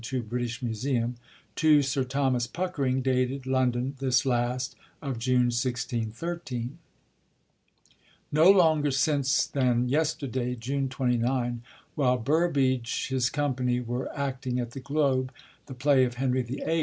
7002 (British Museum), to Sir Thomas Puckering, dated " London, this last of June, 1613 ":— "No longer since than yesterday [June 29], while Bourbage his company were acting at the Olobe the play of Henry VIII.